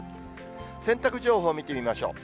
洗濯情報見てみましょう。